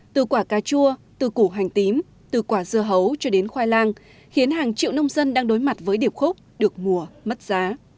từ quả cà chua từ củ hành tím từ quả dưa hấu cho đến khoai lang khiến hàng triệu nông dân đang đối mặt với điểm khúc được mùa mất giá